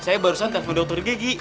saya barusan telepon dokter gigi